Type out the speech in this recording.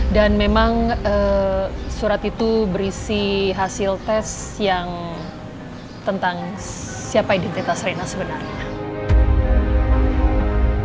dan memang surat itu berisi hasil tes yang tentang siapa identitas rina sebenarnya